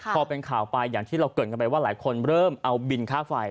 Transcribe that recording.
พอเป็นข่าวไปอย่างที่เราเกิดกันไปว่าหลายคนเริ่มเอาบินค่าไฟ